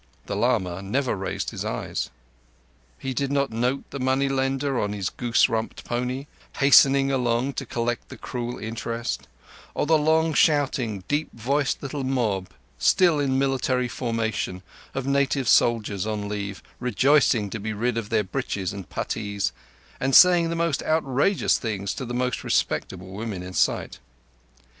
The lama never raised his eyes. He did not note the money lender on his goose rumped pony, hastening along to collect the cruel interest; or the long shouting, deep voiced little mob—still in military formation—of native soldiers on leave, rejoicing to be rid of their breeches and puttees, and saying the most outrageous things to the most respectable women in sight.